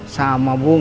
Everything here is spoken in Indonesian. sama bu gak bisa juga